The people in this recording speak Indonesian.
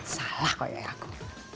salah konyol aku